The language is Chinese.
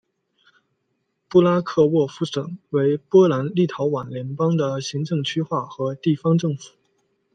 布拉克沃夫省为波兰立陶宛联邦的行政区划和地方政府。